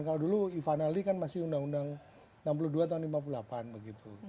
kalau dulu ivanali kan masih undang undang enam puluh dua tahun seribu sembilan ratus lima puluh delapan begitu